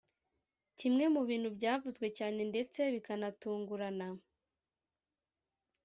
Kimwe mu bintu byavuzwe cyane ndetse bikanatungurana